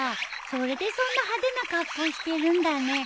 それでそんな派手な格好してるんだね。